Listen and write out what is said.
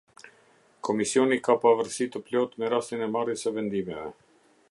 Komisioni ka pavarësi të plotë me rastin e marrjes së vendimeve.